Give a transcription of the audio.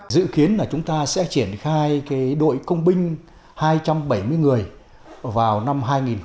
dự kiến là chúng ta sẽ triển khai đội công binh hai trăm bảy mươi người vào năm hai nghìn hai mươi